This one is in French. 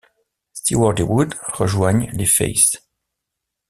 Stewart et Wood rejoignent les Faces.